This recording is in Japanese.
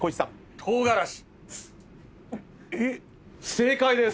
正解です。